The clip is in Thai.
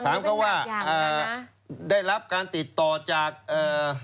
ถามเขาว่าอ่าได้รับการติดต่อจากเอ่อ